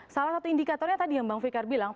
salah satu indikatornya tadi yang bang fikar bilang